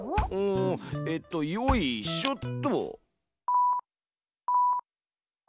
んえっとよいしょっと。